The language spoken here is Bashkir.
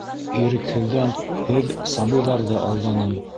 Ирекһеҙҙән һеҙ сабыйҙарҙы алданым.